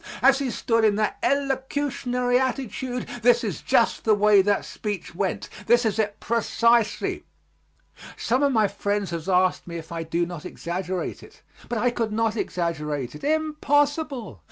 As he stood in that elocutionary attitude this is just the way that speech went, this is it precisely. Some of my friends have asked me if I do not exaggerate it, but I could not exaggerate it. Impossible!